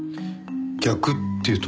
逆っていうと？